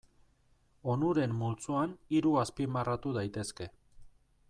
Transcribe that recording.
Onuren multzoan hiru azpimarratu daitezke.